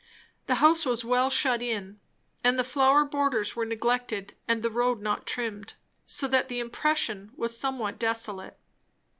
The house was well shut in. And the flower borders were neglected, and the road not trimmed; so that the impression was somewhat desolate.